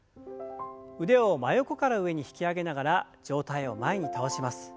腕を真横から上に引き上げながら上体を前に倒します。